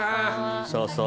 そうそう。